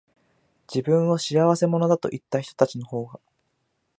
自分を仕合せ者だと言ったひとたちのほうが、